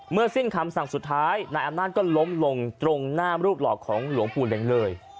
สิ้นคำสั่งสุดท้ายนายอำนาจก็ล้มลงตรงหน้ารูปหลอกของหลวงปู่เล็งเลย